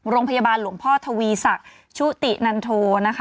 โรงพยาบาลหลวงพ่อทวีศักดิ์ชุตินันโทนะคะ